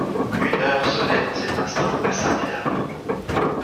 Une heure sonnait en cet instant à Saint-Médard.